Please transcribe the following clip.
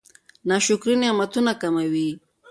ناشکري نعمتونه کموي.